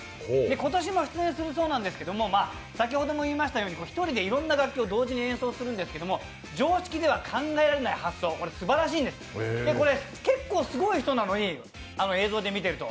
今年も出演するそうなんですけれども、１人でいろんな楽器を同時に演奏するんですけど、常識では考えられない発想、すばらしいんです、結構すごい人なのに映像で見てると。